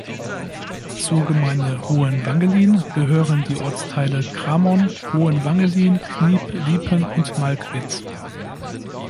Zur Gemeinde Hohen Wangelin gehören die Ortsteile Cramon, Hohen Wangelin, Kniep, Liepen und Malkwitz.